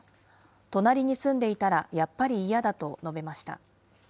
隣に住んでいたらやっぱり嫌だと述べました。